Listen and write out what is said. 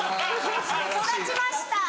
育ちました。